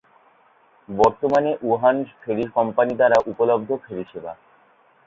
বর্তমানে, Wuhan ferry company দ্বারা উপলব্ধ ফেরি সেবা।